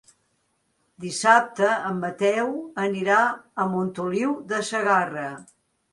Dissabte en Mateu anirà a Montoliu de Segarra.